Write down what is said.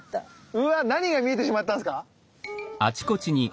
うわ何が見えてしまったんですか？